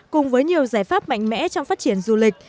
cùng với nhiều giải pháp mạnh mẽ trong phát triển du lịch